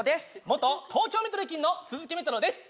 元東京メトロ駅員の鈴木メトロです